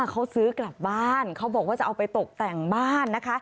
เขาซื้อกลับบ้านเขาบอกว่าจะเอาไปตกแต่งบ้านนะคะ